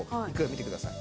見てください。